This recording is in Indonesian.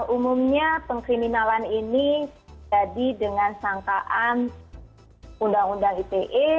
umumnya pengkriminalan ini jadi dengan sangkaan undang undang ite